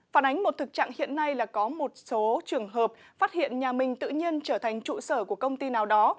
phản ánh một thực trạng hiện nay là có một số trường hợp phát hiện nhà mình tự nhiên trở thành trụ sở của công ty nào đó